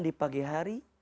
ketika makan di pagi hari